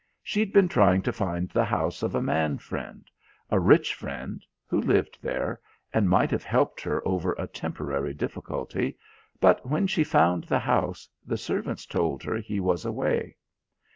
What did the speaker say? She'd been trying to find the house of a man friend a rich friend who lived there, and might have helped her over a temporary difficulty, but when she found the house the servants told her he was away.